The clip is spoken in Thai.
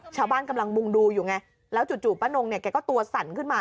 ชาวบ้านกำลังมุ่งดูอยู่ไงแล้วจู่ป้านงเนี่ยแกก็ตัวสั่นขึ้นมา